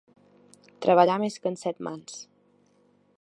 Treballar més que en Set-mans.